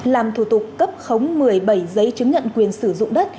làm thủ tục cấp khống một mươi bảy giấy chứng nhận quyền sử dụng đất